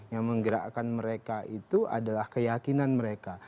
yang menggerakkan mereka itu adalah keyakinan mereka